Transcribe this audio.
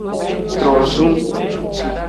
Trozun.